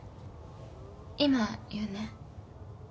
今、言うね。